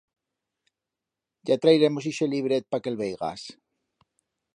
Ya trairemos ixe libret pa que el veigas.